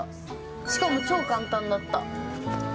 しかもちょー簡単だった。